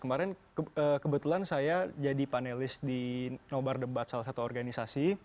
kemarin kebetulan saya jadi panelis di nobar debat salah satu organisasi